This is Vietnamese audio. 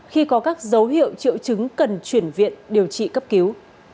khi có các dấu hiệu triệu chứng cần chuyển viện điều trị cấp cứu